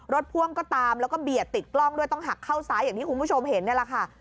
พ่วงก็ตามแล้วก็เบียดติดกล้องด้วยต้องหักเข้าซ้ายอย่างที่คุณผู้ชมเห็นนี่แหละค่ะ